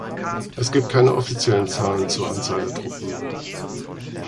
Es gibt keine offiziellen Zahlen zur Anzahl der Truppen.